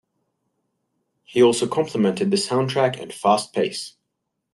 He also complimented the soundtrack and fast pace.